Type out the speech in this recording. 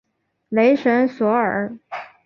雷神索尔。